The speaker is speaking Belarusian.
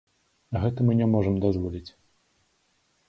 Гэта мы не можам дазволіць.